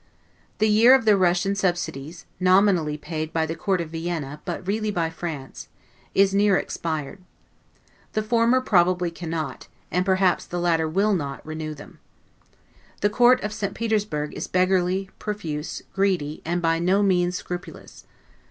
The year of the Russian subsidies (nominally paid by the Court of Vienna, but really by France) is near expired. The former probably cannot, and perhaps the latter will not, renew them. The Court of Petersburg is beggarly, profuse, greedy, and by no means scrupulous.